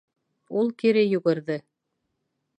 Ул кире йүгерҙе.